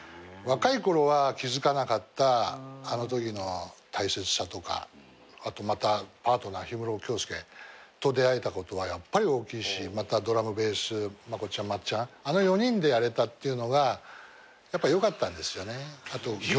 若いころは気付かなかったあのときの大切さとかあとパートナー氷室京介と出会えたことはやっぱり大きいしドラムベースまこっちゃんまっちゃんあの４人でやれたっていうのがやっぱよかったんですよね。